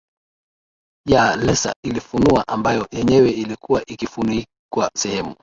ya laser ilifunua ambayo yenyewe ilikuwa ikifunikwa sehemu